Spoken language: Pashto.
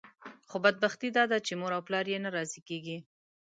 خو بدبختي داده چې مور او پلار یې نه راضي کېږي.